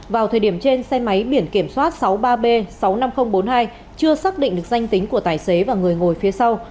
vào thời điểm trên xe máy biển kiểm soát sáu mươi ba b sáu mươi năm nghìn bốn mươi hai chưa xác định được danh tính của tài xế và người ngồi phía sau